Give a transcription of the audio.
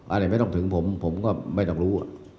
อะไรไม่ต้องถึงผมผมก็ไม่ต้องรู้